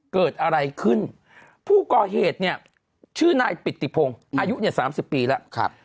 เกิดอะไรขึ้นผู้ก่อเหตุเนี่ยชื่อนายปิติพงศ์อายุเนี่ย๓๐ปีแล้ว